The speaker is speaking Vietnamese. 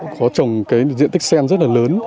có trồng diện tích sen rất là lớn